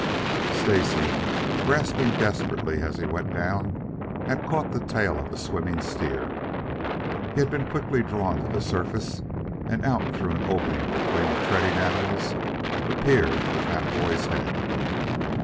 Stacy, grasping desperately as he went down, had caught the tail of a swimming steer. He had been quickly drawn to the surface, and out through an opening between the treading animals, appeared the fat boy's head.